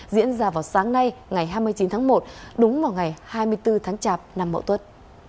diễn ra vào sáng nay ngày hai mươi chín tháng một đúng vào ngày hai mươi bốn tháng chạp năm mậu tuất